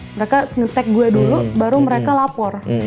mereka ngetek gue dulu baru mereka lapor